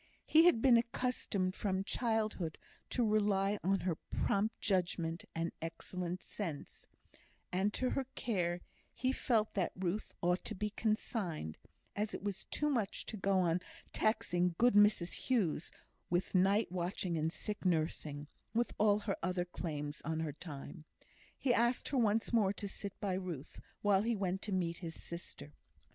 He had been accustomed from childhood to rely on her prompt judgment and excellent sense; and to her care he felt that Ruth ought to be consigned, as it was too much to go on taxing good Mrs Hughes with night watching and sick nursing, with all her other claims on her time. He asked her once more to sit by Ruth, while he went to meet his sister.